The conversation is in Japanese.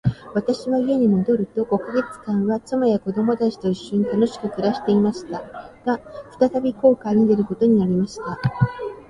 私は家に戻ると五ヵ月間は、妻や子供たちと一しょに楽しく暮していました。が、再び航海に出ることになりました。